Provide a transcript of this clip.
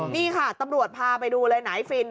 นี่ค่ะตำรวจพาไปดูเลยไหนฟิน